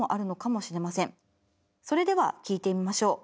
それでは聴いてみましょう。